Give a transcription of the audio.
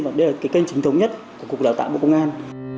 và đây là cái kênh chính thống nhất của cục đào tạo bộ công an